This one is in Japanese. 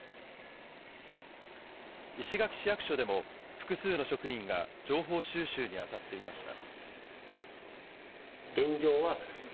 石垣市役所でも、複数の職員が情報収集に当たっていました。